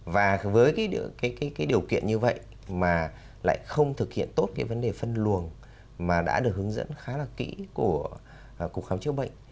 và với cái điều kiện như vậy mà lại không thực hiện tốt cái vấn đề phân luồng mà đã được hướng dẫn khá là kỹ của cục khám chữa bệnh